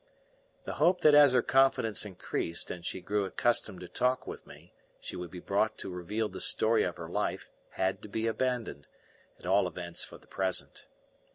The hope that as her confidence increased and she grew accustomed to talk with me she would be brought to reveal the story of her life had to be abandoned, at all events for the present.